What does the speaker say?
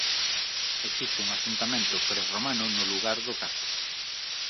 Existe un asentamento prerromano no lugar do Castro.